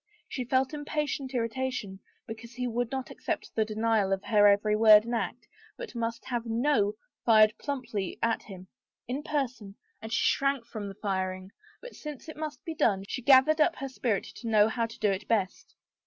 She felt impatient irritation because he would not accept the denial of her every word and act but must have " no " fired plumply at him, in person, and she shrank from the firing, but since it must be done she gathered up her spirit to know how to do it best.